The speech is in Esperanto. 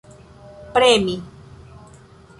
premi